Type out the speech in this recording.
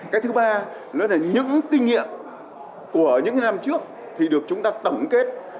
cái thứ ba nữa là những kinh nghiệm của những năm trước thì được chúng ta tổng kết